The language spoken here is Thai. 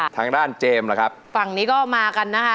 ทางด้านเจมส์ล่ะครับฝั่งนี้ก็มากันนะคะ